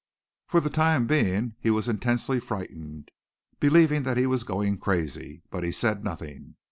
For the time being he was intensely frightened, believing that he was going crazy, but he said nothing.